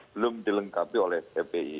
belum dilengkapi oleh fpi